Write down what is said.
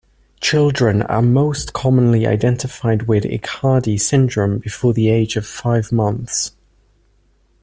Children are most commonly identified with Aicardi syndrome before the age of five months.